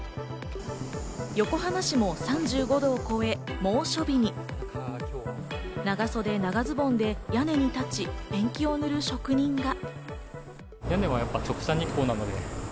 横浜市も３５度を超え、猛暑日に。長袖、長ズボンで屋根に立ち、ペンキを塗る職人が。